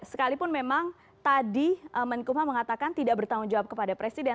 sekalipun memang tadi menkumham mengatakan tidak bertanggung jawab kepada presiden